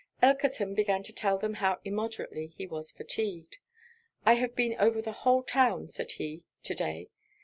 Elkerton began to tell them how immoderately he was fatigued. 'I have been over the whole town,' said he, 'to day.